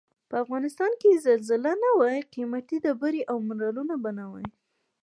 په افغنستان کې که زلزلې نه وای قیمتي ډبرې او منرالونه به نه وای.